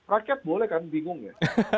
rakyat boleh kan bingung ya